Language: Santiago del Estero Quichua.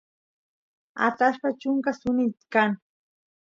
atashpa chunka suni kan